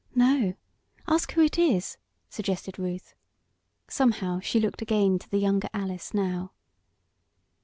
"No. Ask who it is," suggested Ruth. Somehow, she looked again to the younger Alice now.